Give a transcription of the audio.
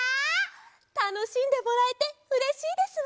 たのしんでもらえてうれしいですわ。